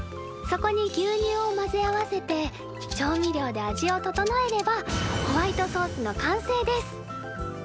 そこに牛乳を混ぜ合わせて調味料で味をととのえればホワイトソースの完成です。